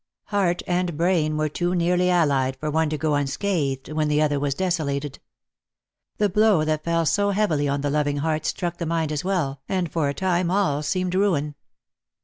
Heart and brain were too nearly allied for one to go unscathed when the other was desolated. The blow that fell so heavily on the loving heart struck the mind as well, and for a time all seemed ruin.